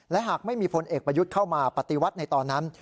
และหากไม่มีพลเอกประยุทธ์เข้ามาปฏิวัติในตอนนั้น